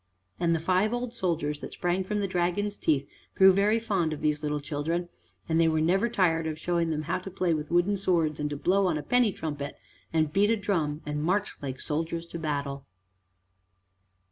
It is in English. And the five old soldiers that sprang from the dragon's teeth grew very fond of these little children, and they were never tired of showing them how to play with wooden swords and to blow on a penny trumpet, and beat a drum and march like soldiers to battle.